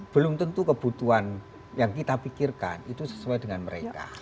belum tentu kebutuhan yang kita pikirkan itu sesuai dengan mereka